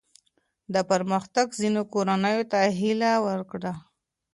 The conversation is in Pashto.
دا پرمختګ ځینو کورنیو ته هیله ورکړې.